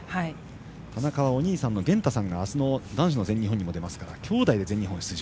田中はお兄さんの源大さんがあすの男子の全日本に出ますからきょうだいで全日本出場。